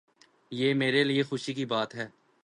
یہ میرے لیے خوشی کی بات ہے۔